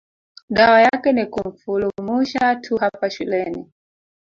Dawa yake ni kumfulumusha tu hapa shuleni